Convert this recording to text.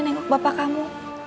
nengok bapak kamu